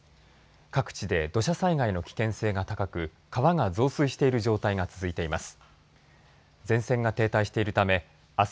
各地で土砂災害の危険性が高く川が増水している状態が続いています。